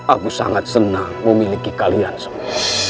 aku sangat senang memiliki kalian semua